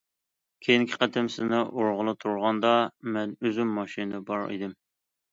كېيىنكى قېتىم سىزنى ئۇرغىلى تۇرغاندا مەن ئۆزۈم ماشىنىدا بار ئىدىم.